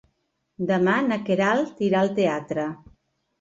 Demà na Queralt irà al teatre.